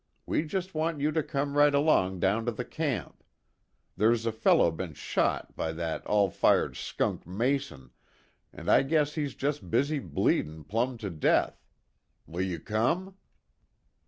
We just want you to come right along down to the camp. Ther's a feller bin shot by that all fired skunk Mason, an' I guess he's jest busy bleedin' plumb to death. Will you come?"